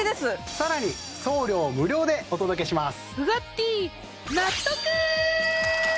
更に送料無料でお届けします